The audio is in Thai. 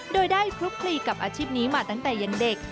โดยได้คลุกคลีกับอาชีพนี้มาตั้งแต่ยังเด็ก